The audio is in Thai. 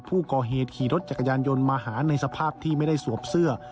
ผู้ก่อเหตุขี่รถจักรยานยนต์มาหาในสภาพที่ไม่ได้สวมเสื้อ